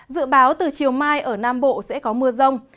dự báo từ chiều mai ở nam bộ sẽ có mưa rông